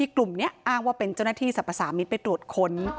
กลุ่มนี้อ้างว่าเป็นเจ้าหน้าที่สรรพสามิตรไปตรวจค้น